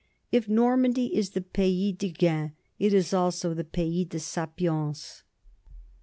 If Nor mandy is the pays de gain, it is also the pays de sapience.